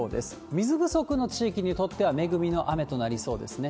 水不足の地域にとっては、恵みの雨となりそうですね。